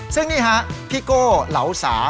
ซึ่งนี่ฮะพี่โก้เหลาสา